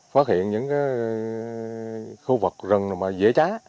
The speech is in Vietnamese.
phá hiện những khu vực rừng mà dễ chá